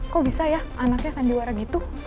kok bisa ya anaknya sandiwara gitu